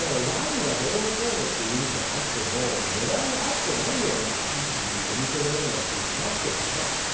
ワインがどうのこうのっていうんじゃなくても値段があってないようなお店のような気がしますけどね。